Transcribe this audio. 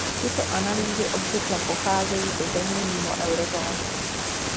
Tyto analýzy obvykle pocházejí ze zemí mimo eurozónu.